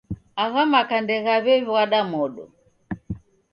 Agha maka ndeghiw'ew'wada modo.